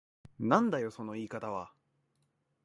なんだよその言い方は。